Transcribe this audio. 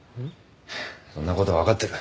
そんな事はわかってる。